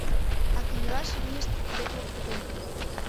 А кынелаш вийышт йыклык пытен.